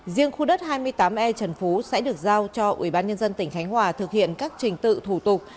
riêng khu đất hai mươi tám e trần phú sẽ được giao cho ubnd tỉnh khánh hòa thực hiện các trình tự thủ tục